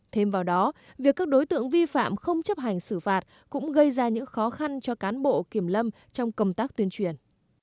thêm vào đó việc các đối tượng vi phạm không chấp hành xử phạt cũng gây ra những khó khăn cho cán bộ kiểm lâm trong công tác tuyên truyền